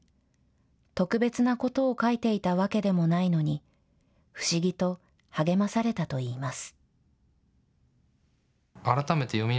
特別なことを書いていたわけでもないのに不思議と励まされたといいます。